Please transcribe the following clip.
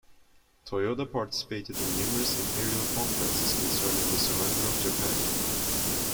Toyoda participated in numerous Imperial Conferences concerning the surrender of Japan.